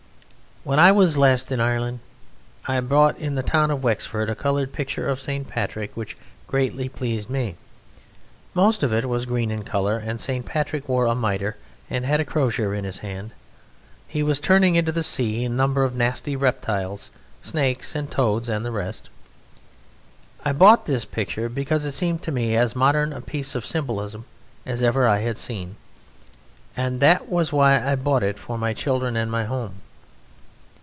When I was last in Ireland, I bought in the town of Wexford a coloured picture of St. Patrick which greatly pleased me. Most of it was green in colour, and St. Patrick wore a mitre and had a crosier in his hand. He was turning into the sea a number of nasty reptiles: snakes and toads and the rest. I bought this picture because it seemed to me as modern a piece of symbolism as ever I had seen: and that was why I bought it for my children and for my home.